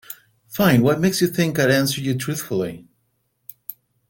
Fine, what makes you think I'd answer you truthfully?